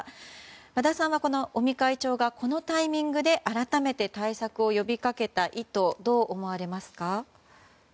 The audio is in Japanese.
和田さんは、尾身会長がこのタイミングで改めて対策を呼びかけた意図どう思われますか。